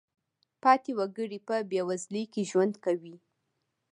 پاتې وګړي په بېوزلۍ کې ژوند کوي.